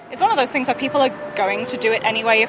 itu adalah hal yang akan dilakukan oleh orang orang jika mereka ingin